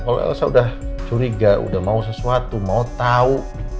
kalo elsa udah curiga udah mau sesuatu mau tau